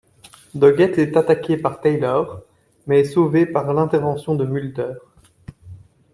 Doggett est attaqué par Taylor mais est sauvé par l'intervention de Mulder.